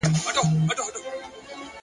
مثبت چلند د ستونزو رنګ بدلوي.!